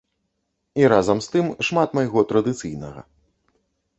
І, разам з тым, шмат майго традыцыйнага.